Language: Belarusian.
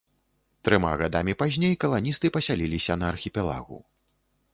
Трыма гадамі пазней каланісты пасяліліся на архіпелагу.